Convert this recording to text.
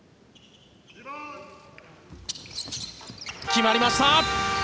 決まりました。